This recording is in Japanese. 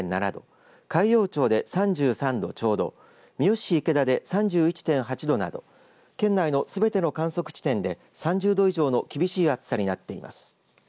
海陽町で３３度ちょうど三好市池田で３１．８度など県内のすべての観測地点で３０度以上の厳しい暑さになっています。